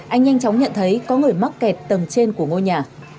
anh nhanh chóng nhận thấy có người mắc kẹt tầng trên của ngôi nhà